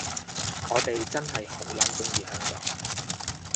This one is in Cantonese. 我哋真係好撚鍾意香港